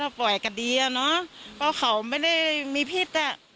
ก็ต้องปล่อยกันดีนะเพราะเขาไม่ได้มีพิษ